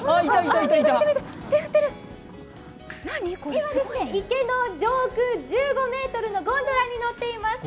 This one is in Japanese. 今、池の上空１５ｍのゴンドラに乗っています。